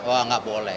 wah nggak boleh